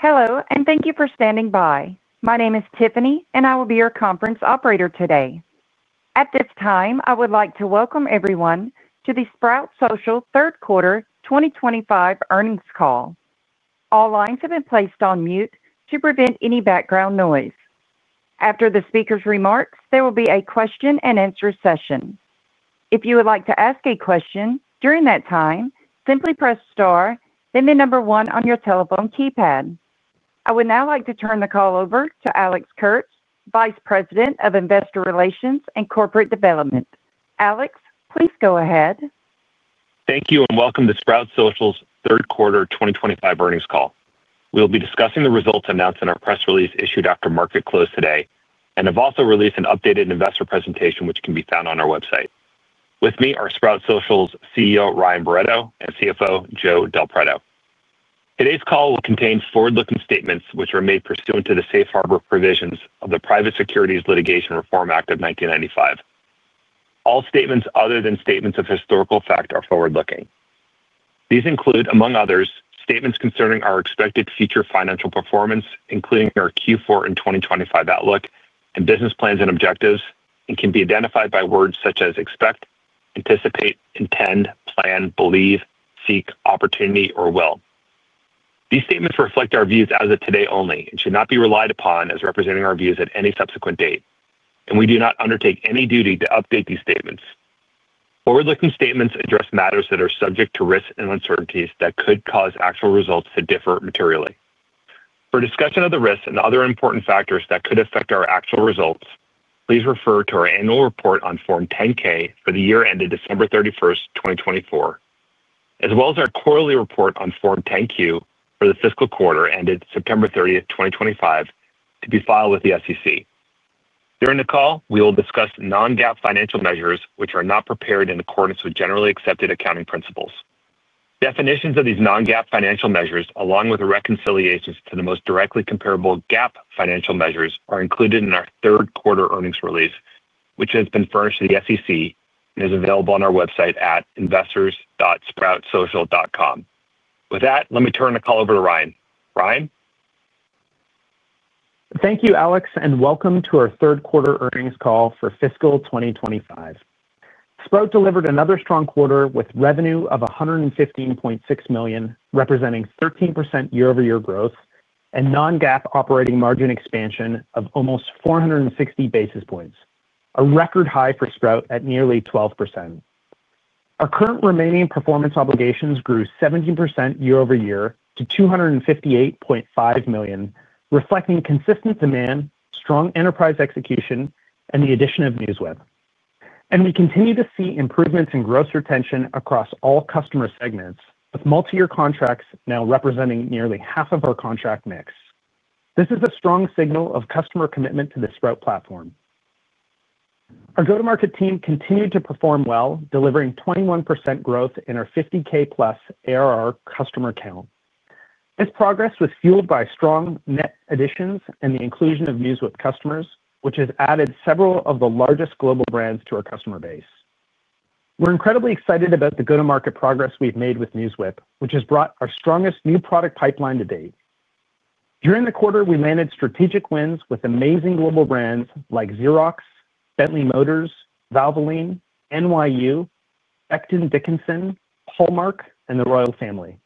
Hello, and thank you for standing by. My name is Tiffany, and I will be your conference operator today. At this time, I would like to welcome everyone to the Sprout Social third quarter 2025 earnings call. All lines have been placed on mute to prevent any background noise. After the speaker's remarks, there will be a question-and-answer session. If you would like to ask a question during that time, simply press star, then the number one on your telephone keypad. I would now like to turn the call over to Alex Kurtz, Vice President of Investor Relations and Corporate Development. Alex, please go ahead. Thank you, and welcome to Sprout Social's third quarter 2025 earnings call. We will be discussing the results announced in our press release issued after market close today, and have also released an updated investor presentation which can be found on our website. With me are Sprout Social's CEO, Ryan Barretto, and CFO, Joe Del Preto. Today's call will contain forward-looking statements which are made pursuant to the safe harbor provisions of the Private Securities Litigation Reform Act of 1995. All statements other than statements of historical fact are forward-looking. These include, among others, statements concerning our expected future financial performance, including our Q4 and 2025 outlook and business plans and objectives, and can be identified by words such as expect, anticipate, intend, plan, believe, seek, opportunity, or will. These statements reflect our views as of today only and should not be relied upon as representing our views at any subsequent date, and we do not undertake any duty to update these statements. Forward-looking statements address matters that are subject to risks and uncertainties that could cause actual results to differ materially. For discussion of the risks and other important factors that could affect our actual results, please refer to our annual report on Form 10-K for the year ended December 31st, 2024, as well as our quarterly report on Form 10-Q for the fiscal quarter ended September 30th, 2025, to be filed with the SEC. During the call, we will discuss non-GAAP financial measures which are not prepared in accordance with generally accepted accounting principles. Definitions of these non-GAAP financial measures, along with reconciliations to the most directly comparable GAAP financial measures, are included in our third quarter earnings release, which has been furnished to the SEC and is available on our website at investors.sproutsocial.com. With that, let me turn the call over to Ryan. Ryan. Thank you, Alex, and welcome to our third quarter earnings call for fiscal 2025. Sprout delivered another strong quarter with revenue of $115.6 million, representing 13% year-over-year growth and non-GAAP operating margin expansion of almost 460 basis points, a record high for Sprout at nearly 12%. Our current remaining performance obligations grew 17% year-over-year to $258.5 million, reflecting consistent demand, strong enterprise execution, and the addition of NewsWeb. We continue to see improvements in gross retention across all customer segments, with multi-year contracts now representing nearly half of our contract mix. This is a strong signal of customer commitment to the Sprout platform. Our go-to-market team continued to perform well, delivering 21% growth in our 50K+ ARR customer count. This progress was fueled by strong net additions and the inclusion of NewsWeb customers, which has added several of the largest global brands to our customer base. We're incredibly excited about the go-to-market progress we've made with NewsWeb, which has brought our strongest new product pipeline to date. During the quarter, we landed strategic wins with amazing global brands like Xerox, Bentley Motors, Valvoline, NYU, Becton Dickinson, Hallmark, and the Royal Family.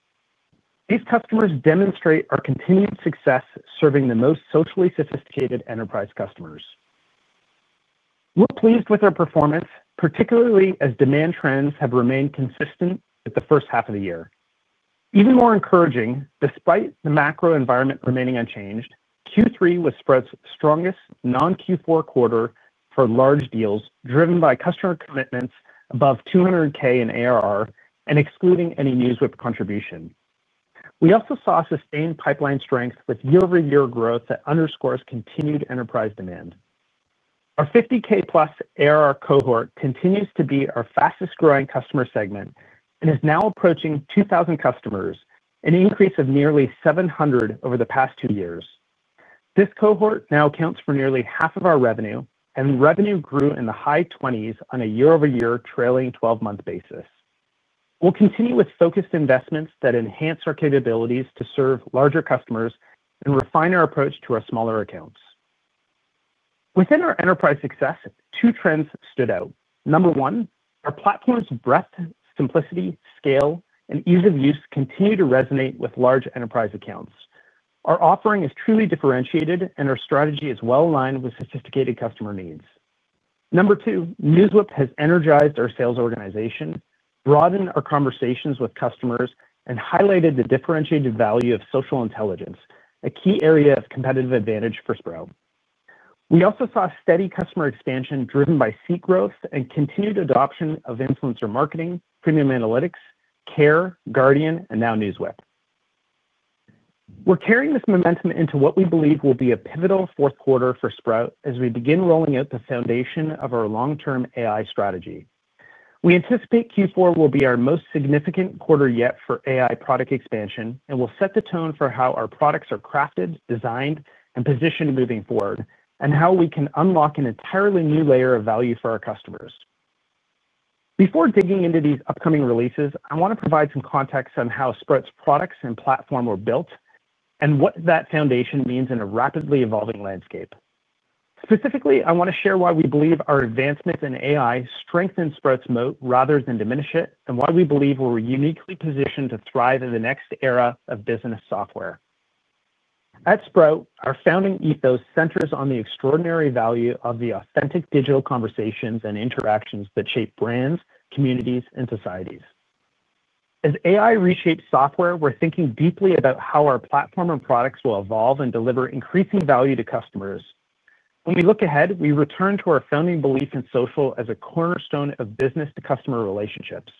These customers demonstrate our continued success serving the most socially sophisticated enterprise customers. We're pleased with our performance, particularly as demand trends have remained consistent with the first half of the year. Even more encouraging, despite the macro environment remaining unchanged, Q3 was Sprout's strongest non-Q4 quarter for large deals, driven by customer commitments above $200,000 in ARR and excluding any NewsWeb contribution. We also saw sustained pipeline strength with year-over-year growth that underscores continued enterprise demand. Our 50K+ ARR cohort continues to be our fastest-growing customer segment and is now approaching 2,000 customers, an increase of nearly 700 over the past two years. This cohort now accounts for nearly half of our revenue, and revenue grew in the high 20s on a year-over-year trailing 12-month basis. We'll continue with focused investments that enhance our capabilities to serve larger customers and refine our approach to our smaller accounts. Within our enterprise success, two trends stood out. Number one, our platform's breadth, simplicity, scale, and ease of use continue to resonate with large enterprise accounts. Our offering is truly differentiated, and our strategy is well-aligned with sophisticated customer needs. Number two, NewsWeb has energized our sales organization, broadened our conversations with customers, and highlighted the differentiated value of social intelligence, a key area of competitive advantage for Sprout. We also saw steady customer expansion driven by seat growth and continued adoption of influencer marketing, premium analytics, CARE, Guardian, and now NewsWeb. We're carrying this momentum into what we believe will be a pivotal fourth quarter for Sprout as we begin rolling out the foundation of our long-term AI strategy. We anticipate Q4 will be our most significant quarter yet for AI product expansion and will set the tone for how our products are crafted, designed, and positioned moving forward, and how we can unlock an entirely new layer of value for our customers. Before digging into these upcoming releases, I want to provide some context on how Sprout's products and platform were built and what that foundation means in a rapidly evolving landscape. Specifically, I want to share why we believe our advancements in AI strengthen Sprout's moat rather than diminish it, and why we believe we're uniquely positioned to thrive in the next era of business software. At Sprout, our founding ethos centers on the extraordinary value of the authentic digital conversations and interactions that shape brands, communities, and societies. As AI reshapes software, we're thinking deeply about how our platform and products will evolve and deliver increasing value to customers. When we look ahead, we return to our founding belief in social as a cornerstone of business-to-customer relationships.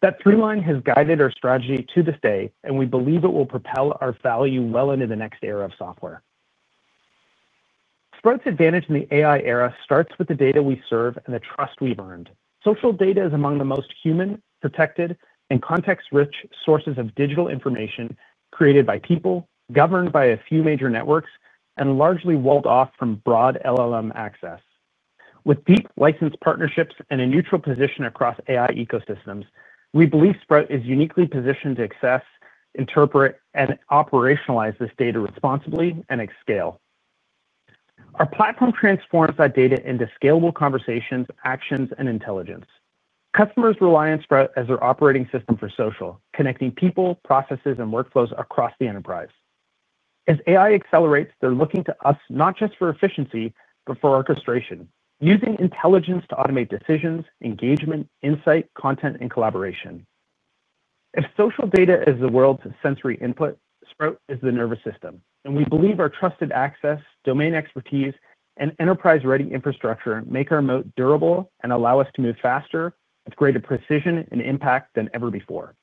That throughline has guided our strategy to this day, and we believe it will propel our value well into the next era of software. Sprout's advantage in the AI era starts with the data we serve and the trust we've earned. Social data is among the most human, protected, and context-rich sources of digital information created by people, governed by a few major networks, and largely walled off from broad LLM access. With deep license partnerships and a neutral position across AI ecosystems, we believe Sprout is uniquely positioned to access, interpret, and operationalize this data responsibly and at scale. Our platform transforms that data into scalable conversations, actions, and intelligence. Customers rely on Sprout as their operating system for social, connecting people, processes, and workflows across the enterprise. As AI accelerates, they're looking to us not just for efficiency, but for orchestration, using intelligence to automate decisions, engagement, insight, content, and collaboration. If social data is the world's sensory input, Sprout is the nervous system, and we believe our trusted access, domain expertise, and enterprise-ready infrastructure make our moat durable and allow us to move faster with greater precision and impact than ever before.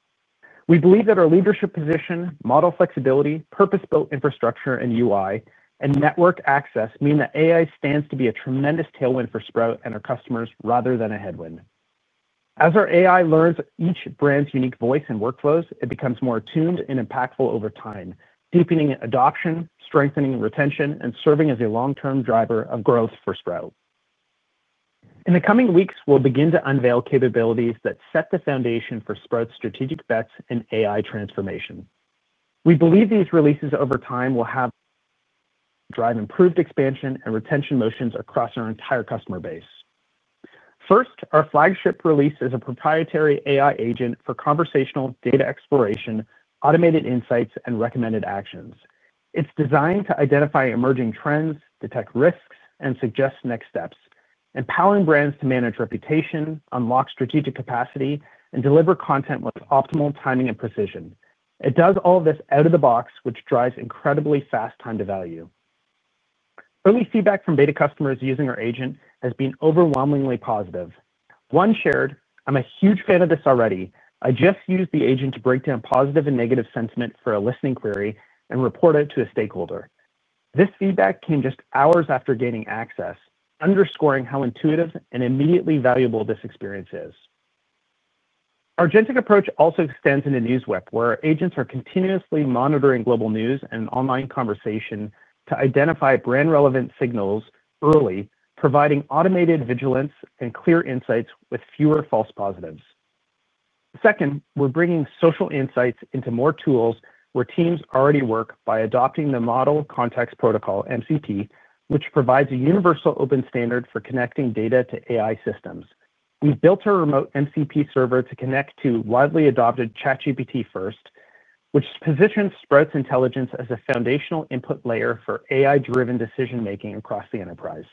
We believe that our leadership position, model flexibility, purpose-built infrastructure and UI, and network access mean that AI stands to be a tremendous tailwind for Sprout and our customers rather than a headwind. As our AI learns each brand's unique voice and workflows, it becomes more attuned and impactful over time, deepening adoption, strengthening retention, and serving as a long-term driver of growth for Sprout. In the coming weeks, we'll begin to unveil capabilities that set the foundation for Sprout's strategic bets and AI transformation. We believe these releases over time will drive improved expansion and retention motions across our entire customer base. First, our flagship release is a proprietary AI Agent for conversational data exploration, automated insights, and recommended actions. It's designed to identify emerging trends, detect risks, and suggest next steps, empowering brands to manage reputation, unlock strategic capacity, and deliver content with optimal timing and precision. It does all of this out of the box, which drives incredibly fast time to value. Early feedback from beta customers using our agent has been overwhelmingly positive. One shared, "I'm a huge fan of this already. I just used the agent to break down positive and negative sentiment for a listening query and report it to a stakeholder." This feedback came just hours after gaining access, underscoring how intuitive and immediately valuable this experience is. Our agentic approach also extends into NewsWeb, where our agents are continuously monitoring global news and online conversation to identify brand-relevant signals early, providing automated vigilance and clear insights with fewer false positives. Second, we're bringing social insights into more tools where teams already work by adopting the Model Context Protocol, MCP, which provides a universal open standard for connecting data to AI systems. We built our remote MCP server to connect to widely adopted ChatGPT First, which positions Sprout's intelligence as a foundational input layer for AI-driven decision-making across the enterprise.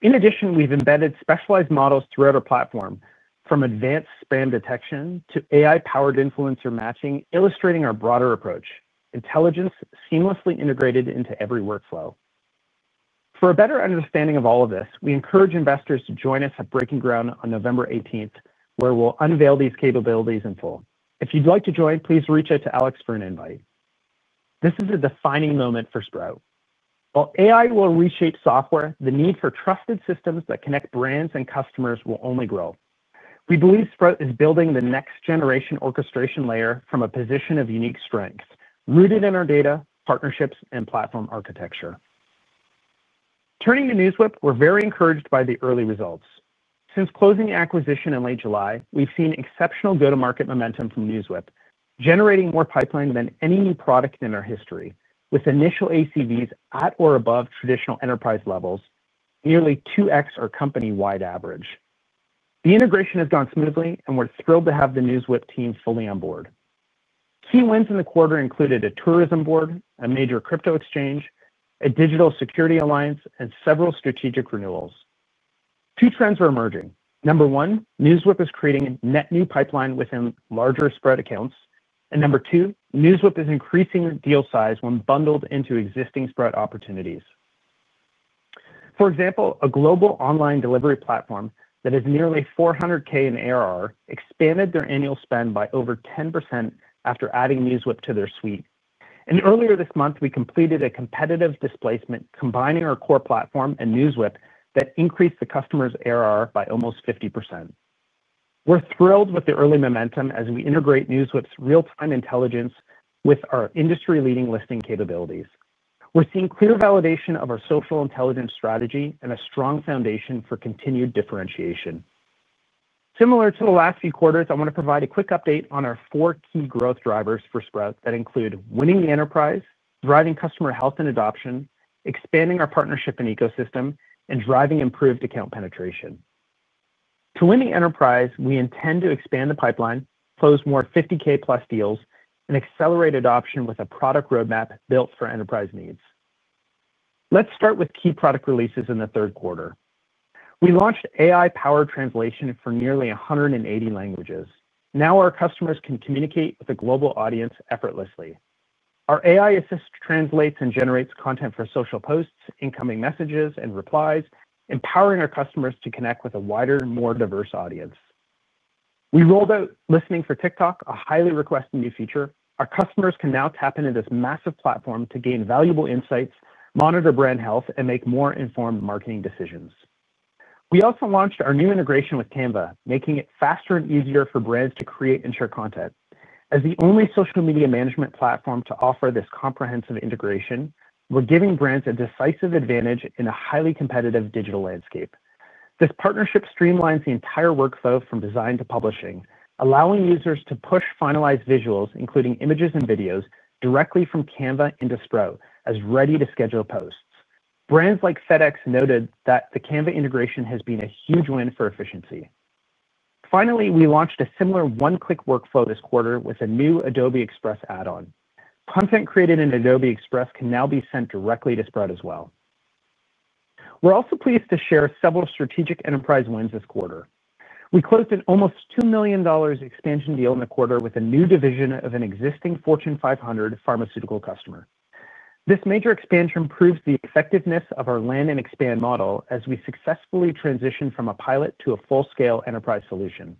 In addition, we've embedded specialized models throughout our platform, from advanced spam detection to AI-powered influencer matching, illustrating our broader approach: intelligence seamlessly integrated into every workflow. For a better understanding of all of this, we encourage investors to join us at Breaking Ground on November 18th, where we'll unveil these capabilities in full. If you'd like to join, please reach out to Alex for an invite. This is a defining moment for Sprout. While AI will reshape software, the need for trusted systems that connect brands and customers will only grow. We believe Sprout is building the next-generation orchestration layer from a position of unique strengths, rooted in our data, partnerships, and platform architecture. Turning to NewsWeb, we're very encouraged by the early results. Since closing acquisition in late July, we've seen exceptional go-to-market momentum from NewsWeb, generating more pipeline than any new product in our history, with initial ACVs at or above traditional enterprise levels, nearly 2X our company-wide average. The integration has gone smoothly, and we're thrilled to have the NewsWeb team fully on board. Key wins in the quarter included a tourism board, a major crypto exchange, a digital security alliance, and several strategic renewals. Two trends are emerging. Number one, NewsWeb is creating a net new pipeline within larger Sprout accounts. Number two, NewsWeb is increasing deal size when bundled into existing Sprout opportunities. For example, a global online delivery platform that is nearly 400K in ARR expanded their annual spend by over 10% after adding NewsWeb to their suite. Earlier this month, we completed a competitive displacement, combining our core platform and NewsWeb that increased the customer's ARR by almost 50%. We're thrilled with the early momentum as we integrate NewsWeb's real-time intelligence with our industry-leading listing capabilities. We're seeing clear validation of our social intelligence strategy and a strong foundation for continued differentiation. Similar to the last few quarters, I want to provide a quick update on our four key growth drivers for Sprout that include winning the enterprise, driving customer health and adoption, expanding our partnership and ecosystem, and driving improved account penetration. To win the enterprise, we intend to expand the pipeline, close more 50K+ deals, and accelerate adoption with a product roadmap built for enterprise needs. Let's start with key product releases in the third quarter. We launched AI-powered translation for nearly 180 languages. Now our customers can communicate with a global audience effortlessly. Our AI Assist translates and generates content for social posts, incoming messages, and replies, empowering our customers to connect with a wider, more diverse audience. We rolled out Listening for TikTok, a highly requested new feature. Our customers can now tap into this massive platform to gain valuable insights, monitor brand health, and make more informed marketing decisions. We also launched our new integration with Canva, making it faster and easier for brands to create and share content. As the only social media management platform to offer this comprehensive integration, we're giving brands a decisive advantage in a highly competitive digital landscape. This partnership streamlines the entire workflow from design to publishing, allowing users to push finalized visuals, including images and videos, directly from Canva into Sprout as ready-to-schedule posts. Brands like FedEx noted that the Canva integration has been a huge win for efficiency. Finally, we launched a similar one-click workflow this quarter with a new Adobe Express add-on. Content created in Adobe Express can now be sent directly to Sprout as well. We're also pleased to share several strategic enterprise wins this quarter. We closed an almost $2 million expansion deal in the quarter with a new division of an existing Fortune 500 pharmaceutical customer. This major expansion proves the effectiveness of our land and expand model as we successfully transition from a pilot to a full-scale enterprise solution.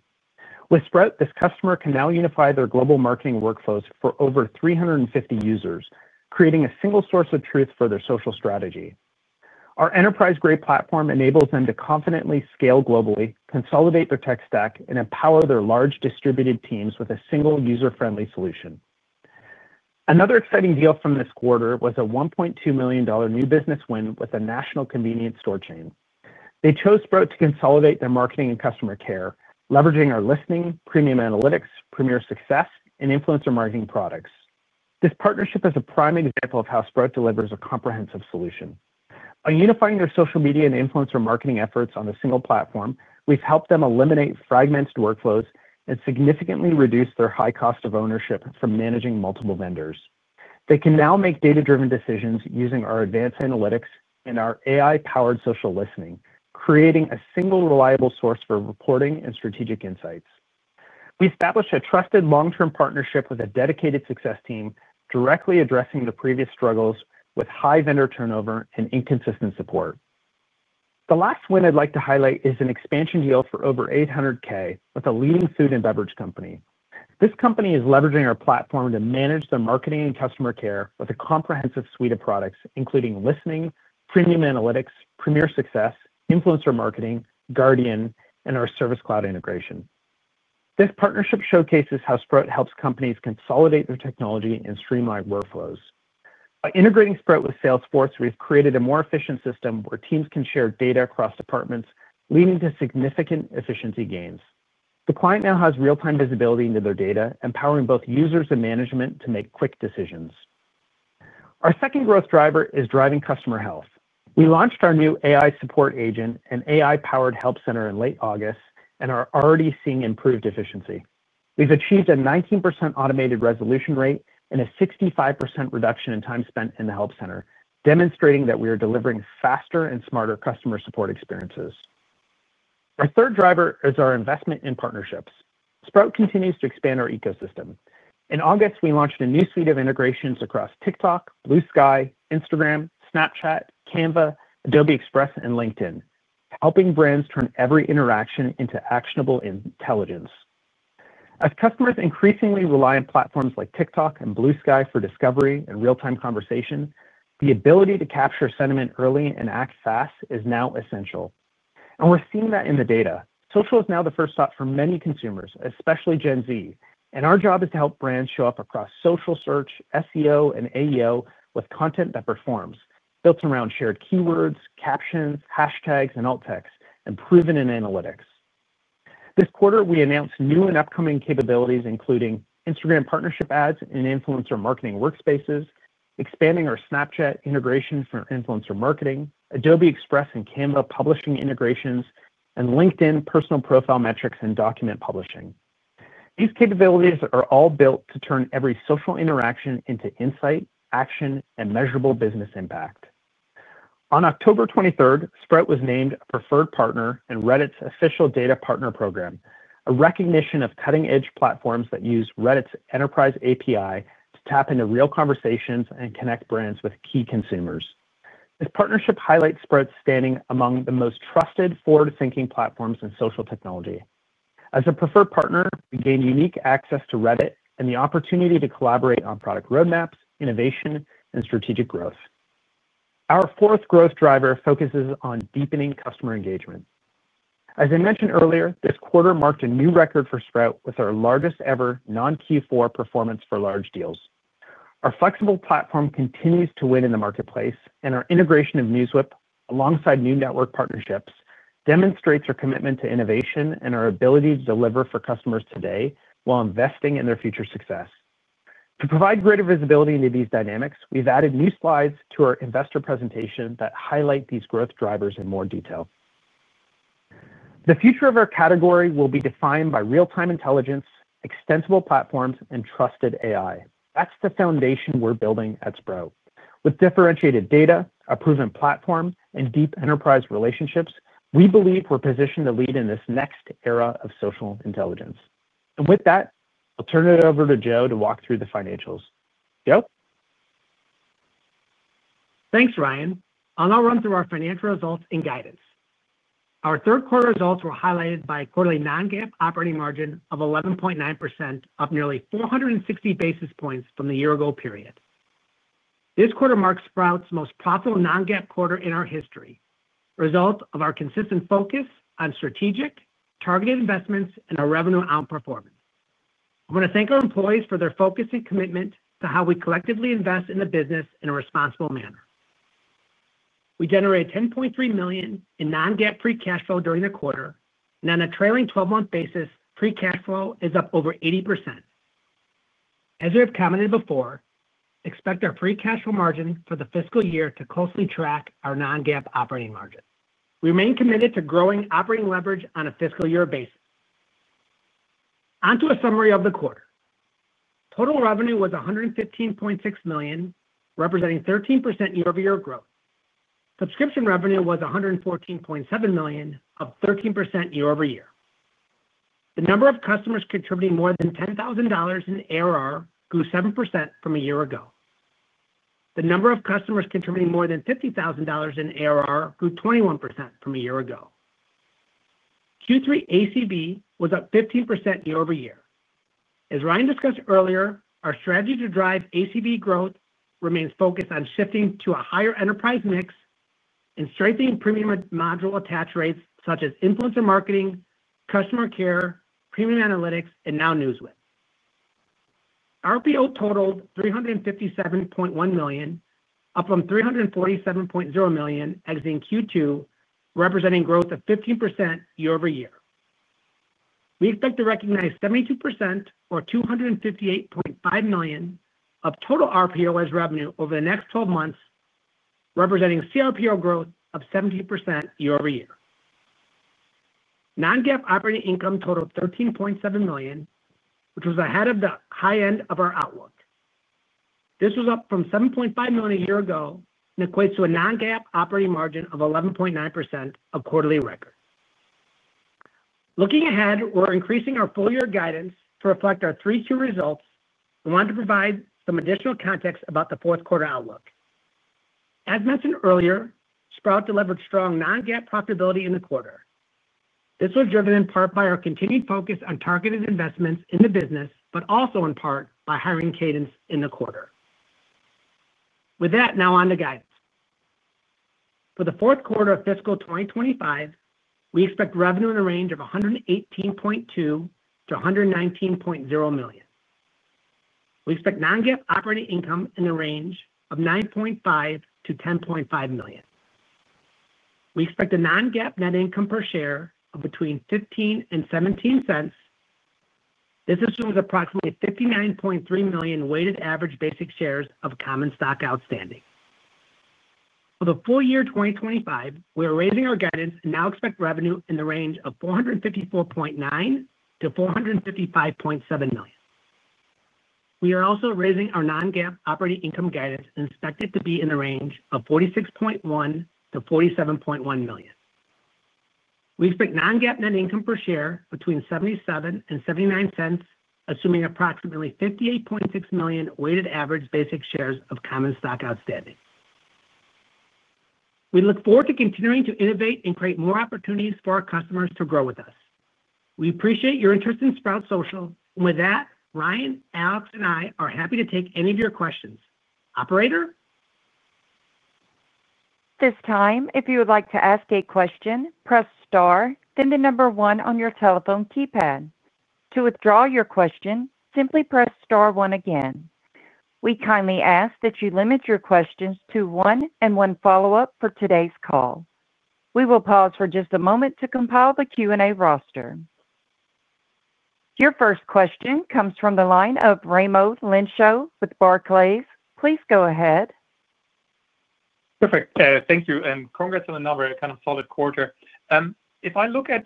With Sprout, this customer can now unify their global marketing workflows for over 350 users, creating a single source of truth for their social strategy. Our enterprise-grade platform enables them to confidently scale globally, consolidate their tech stack, and empower their large distributed teams with a single user-friendly solution. Another exciting deal from this quarter was a $1.2 million new business win with a national convenience store chain. They chose Sprout to consolidate their marketing and customer care, leveraging our listening, premium analytics, premier success, and influencer marketing products. This partnership is a prime example of how Sprout delivers a comprehensive solution. By unifying their social media and influencer marketing efforts on a single platform, we've helped them eliminate fragmented workflows and significantly reduce their high cost of ownership from managing multiple vendors. They can now make data-driven decisions using our advanced analytics and our AI-powered social listening, creating a single reliable source for reporting and strategic insights. We established a trusted long-term partnership with a dedicated success team, directly addressing the previous struggles with high vendor turnover and inconsistent support. The last win I'd like to highlight is an expansion deal for over 800K with a leading food and beverage company. This company is leveraging our platform to manage their marketing and customer care with a comprehensive suite of products, including listening, premium analytics, Premier Success, influencer marketing, Guardian, and our Service Cloud integration. This partnership showcases how Sprout helps companies consolidate their technology and streamline workflows. By integrating Sprout with Salesforce, we've created a more efficient system where teams can share data across departments, leading to significant efficiency gains. The client now has real-time visibility into their data, empowering both users and management to make quick decisions. Our second growth driver is driving customer health. We launched our new AI Support Agent, an AI-powered help center in late August, and are already seeing improved efficiency. We've achieved a 19% automated resolution rate and a 65% reduction in time spent in the help center, demonstrating that we are delivering faster and smarter customer support experiences. Our third driver is our investment in partnerships. Sprout continues to expand our ecosystem. In August, we launched a new suite of integrations across TikTok, Blue Sky, Instagram, Snapchat, Canva, Adobe Express, and LinkedIn, helping brands turn every interaction into actionable intelligence. As customers increasingly rely on platforms like TikTok and Blue Sky for discovery and real-time conversation, the ability to capture sentiment early and act fast is now essential. We are seeing that in the data. Social is now the first stop for many consumers, especially Gen Z. Our job is to help brands show up across social search, SEO, and AEO with content that performs, built around shared keywords, captions, hashtags, and alt text, and proven in analytics. This quarter, we announced new and upcoming capabilities, including Instagram partnership ads and influencer marketing workspaces, expanding our Snapchat integration for influencer marketing, Adobe Express and Canva publishing integrations, and LinkedIn personal profile metrics and document publishing. These capabilities are all built to turn every social interaction into insight, action, and measurable business impact. On October 23rd, Sprout was named a preferred partner in Reddit's official data partner program, a recognition of cutting-edge platforms that use Reddit's enterprise API to tap into real conversations and connect brands with key consumers. This partnership highlights Sprout's standing among the most trusted forward-thinking platforms in social technology. As a preferred partner, we gained unique access to Reddit and the opportunity to collaborate on product roadmaps, innovation, and strategic growth. Our fourth growth driver focuses on deepening customer engagement. As I mentioned earlier, this quarter marked a new record for Sprout with our largest-ever non-Q4 performance for large deals. Our flexible platform continues to win in the marketplace, and our integration of NewsWeb, alongside new network partnerships, demonstrates our commitment to innovation and our ability to deliver for customers today while investing in their future success. To provide greater visibility into these dynamics, we have added new slides to our investor presentation that highlight these growth drivers in more detail. The future of our category will be defined by real-time intelligence, extensible platforms, and trusted AI. That is the foundation we are building at Sprout. With differentiated data, a proven platform, and deep enterprise relationships, we believe we are positioned to lead in this next era of social intelligence. With that, I will turn it over to Joe to walk through the financials. Joe? Thanks, Ryan. I'll now run through our financial results and guidance. Our third-quarter results were highlighted by a quarterly non-GAAP operating margin of 11.9%, up nearly 460 basis points from the year-ago period. This quarter marks Sprout's most profitable non-GAAP quarter in our history, a result of our consistent focus on strategic, targeted investments, and our revenue-out performance. I want to thank our employees for their focus and commitment to how we collectively invest in the business in a responsible manner. We generated $10.3 million in non-GAAP pre-cash flow during the quarter, and on a trailing 12-month basis, pre-cash flow is up over 80%. As we have commented before, expect our pre-cash flow margin for the fiscal year to closely track our non-GAAP operating margin. We remain committed to growing operating leverage on a fiscal-year basis. Onto a summary of the quarter. Total revenue was $115.6 million, representing 13% year-over-year growth. Subscription revenue was $114.7 million, up 13% year-over-year. The number of customers contributing more than $10,000 in ARR grew 7% from a year ago. The number of customers contributing more than $50,000 in ARR grew 21% from a year ago. Q3 ACV was up 15% year-over-year. As Ryan discussed earlier, our strategy to drive ACV growth remains focused on shifting to a higher enterprise mix and strengthening premium module attach rates such as influencer marketing, customer care, premium analytics, and now NewsWeb. RPO totaled $357.1 million, up from $347.0 million exiting Q2, representing growth of 15% year-over-year. We expect to recognize 72%, or $258.5 million, of total RPO as revenue over the next 12 months, representing CRPO growth of 17% year-over-year. Non-GAAP operating income totaled $13.7 million, which was ahead of the high end of our outlook. This was up from $7.5 million a year ago and equates to a non-GAAP operating margin of 11.9% of quarterly record. Looking ahead, we're increasing our full-year guidance to reflect our three-tier results and want to provide some additional context about the fourth quarter outlook. As mentioned earlier, Sprout delivered strong non-GAAP profitability in the quarter. This was driven in part by our continued focus on targeted investments in the business, but also in part by hiring cadence in the quarter. With that, now on to guidance. For the fourth quarter of fiscal 2025, we expect revenue in the range of $118.2 million-$119.0 million. We expect non-GAAP operating income in the range of $9.5 million-$10.5 million. We expect a non-GAAP net income per share of between $0.15 and $0.17. This assumes approximately 59.3 million weighted average basic shares of common stock outstanding. For the full year 2025, we are raising our guidance and now expect revenue in the range of $454.9 million-$455.7 million. We are also raising our non-GAAP operating income guidance and expect it to be in the range of $46.1 million-$47.1 million. We expect non-GAAP net income per share between $0.77 and $0.79, assuming approximately 58.6 million weighted average basic shares of common stock outstanding. We look forward to continuing to innovate and create more opportunities for our customers to grow with us. We appreciate your interest in Sprout Social. With that, Ryan, Alex, and I are happy to take any of your questions. Operator? At this time, if you would like to ask a question, press star, then the number one on your telephone keypad. To withdraw your question, simply press star one again. We kindly ask that you limit your questions to one and one follow-up for today's call. We will pause for just a moment to compile the Q&A roster. Your first question comes from the line of Raimo Lenschow with Barclays. Please go ahead. Perfect. Thank you. And congrats on another kind of solid quarter. If I look at,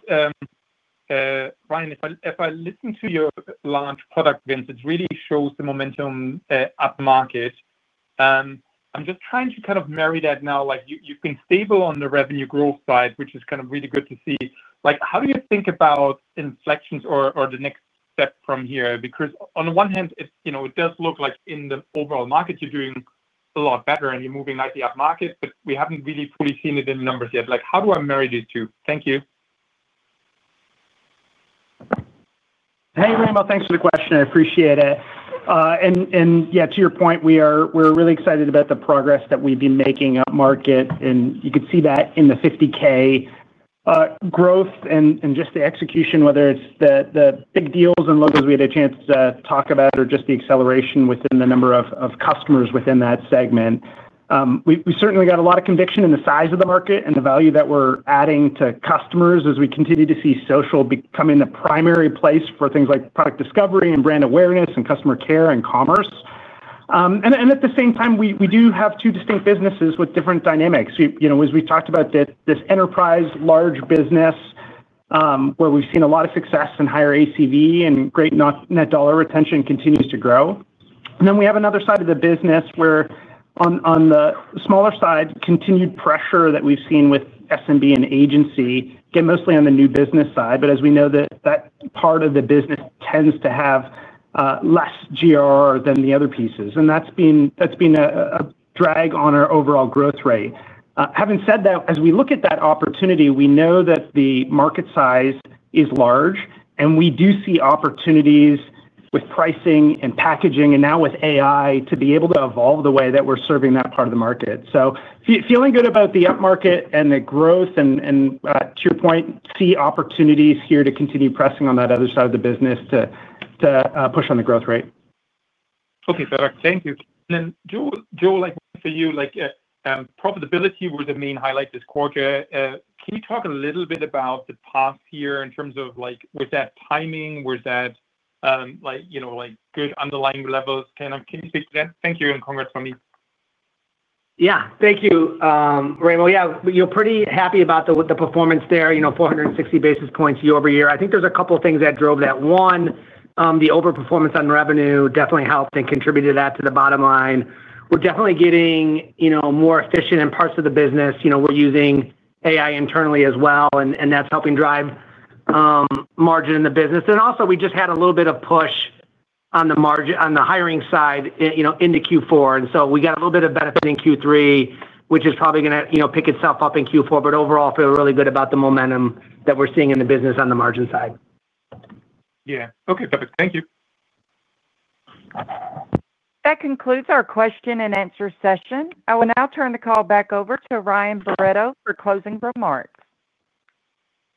Ryan, if I listen to your launch product events, it really shows the momentum at the market. I'm just trying to kind of marry that now. You've been stable on the revenue growth side, which is kind of really good to see. How do you think about inflections or the next step from here? Because on the one hand, it does look like in the overall market, you're doing a lot better and you're moving nicely up market, but we haven't really fully seen it in numbers yet. How do I marry these two? Thank you. Hey, Raimo, thanks for the question. I appreciate it. Yeah, to your point, we're really excited about the progress that we've been making up market. You can see that in the 50K growth and just the execution, whether it's the big deals and logos we had a chance to talk about or just the acceleration within the number of customers within that segment. We certainly got a lot of conviction in the size of the market and the value that we're adding to customers as we continue to see social becoming the primary place for things like product discovery and brand awareness and customer care and commerce. At the same time, we do have two distinct businesses with different dynamics. As we've talked about, this enterprise large business. Where we've seen a lot of success in higher ACV and great net dollar retention continues to grow. Then we have another side of the business where, on the smaller side, continued pressure that we've seen with SMB and agency, mostly on the new business side. As we know, that part of the business tends to have less GR than the other pieces, and that's been a drag on our overall growth rate. Having said that, as we look at that opportunity, we know that the market size is large, and we do see opportunities with pricing and packaging and now with AI to be able to evolve the way that we're serving that part of the market. Feeling good about the up market and the growth and, to your point, see opportunities here to continue pressing on that other side of the business too. Push on the growth rate. Okay, perfect. Thank you. And then, Joe, for you. Profitability was a main highlight this quarter. Can you talk a little bit about the past year in terms of. Was that timing? Was that. Good underlying levels? Can you speak to that? Thank you. And congrats for me. Yeah. Thank you, Raimo. Yeah, you're pretty happy about the performance there, 460 basis points year-over-year. I think there's a couple of things that drove that. One, the overperformance on revenue definitely helped and contributed to that to the bottom line. We're definitely getting more efficient in parts of the business. We're using AI internally as well, and that's helping drive. Margin in the business. And also, we just had a little bit of push on the hiring side into Q4. We got a little bit of benefit in Q3, which is probably going to pick itself up in Q4. Overall, I feel really good about the momentum that we're seeing in the business on the margin side. Yeah. Okay, perfect. Thank you. That concludes our question and answer session. I will now turn the call back over to Ryan Barretto for closing remarks.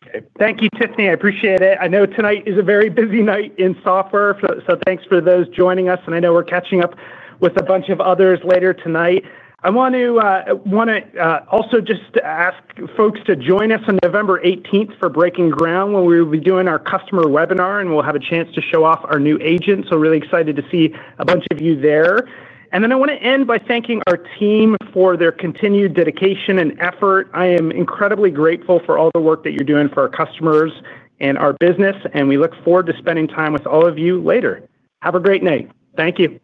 Okay. Thank you, Tiffany. I appreciate it. I know tonight is a very busy night in software, so thanks for those joining us. I know we're catching up with a bunch of others later tonight. I want to also just ask folks to join us on November 18th for Breaking Ground when we will be doing our customer webinar, and we'll have a chance to show off our new agents. Really excited to see a bunch of you there. I want to end by thanking our team for their continued dedication and effort. I am incredibly grateful for all the work that you're doing for our customers and our business, and we look forward to spending time with all of you later. Have a great night. Thank you.